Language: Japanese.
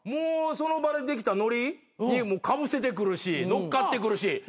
その場でできたノリにかぶせてくるし乗っかってくるし。